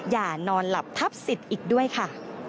อย่านอนหลับทับสิทธิ์อีกด้วยค่ะ